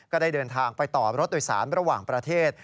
ก็ได้เดินทางไปต่อรถโดยสารระหว่างประเทศ